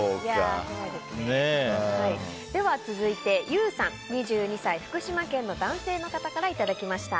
では、続いて２２歳、福島県の男性の方からいただきました。